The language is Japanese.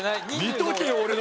見とけよ俺のを！